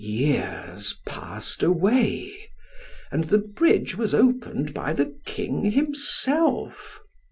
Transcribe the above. Years passed away, and the bridge was opened by the King himself.